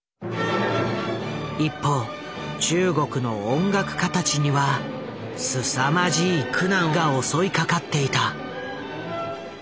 一方中国の音楽家たちにはすさまじい苦難が襲いかかっていた。